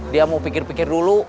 dia mau pikir pikir dulu